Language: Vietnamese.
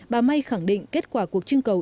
bà may khẳng định kết quả cuộc trưng cầu